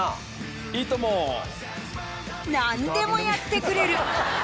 何でもやってくれる。